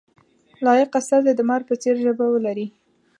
لایق استازی د مار په څېر ژبه ولري.